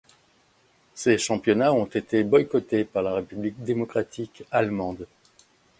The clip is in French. Ces championnats ont été boycottés par la République démocratique allemande.